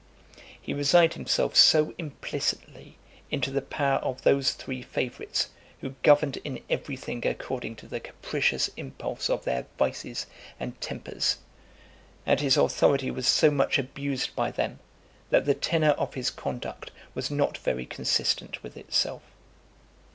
He resigned himself so implicitly into the power of those three favourites, who governed in every thing according to the capricious impulse of their vices and tempers, and his authority was so much abused by them, that the tenor of his conduct was not very consistent with itself.